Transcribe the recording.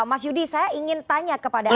mas yudi saya ingin tanya kepada anda